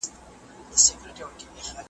له ساحله خبر نه یم د توپان کیسه کومه `